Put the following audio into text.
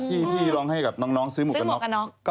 ที่ร้องให้กับน้องซื้อหมวกกันน็อก